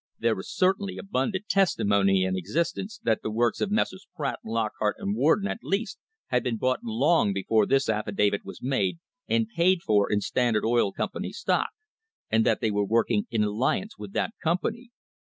There is certainly abun dant testimony in existence that the works of Messrs. Pratt, Lockhart and Warden, at least, had been bought long before this affidavit was made, and paid for in Standard Oil Com pany stock, and that they were working in alliance with that company.